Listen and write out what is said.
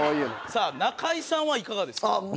さあ中居さんはいかがですか？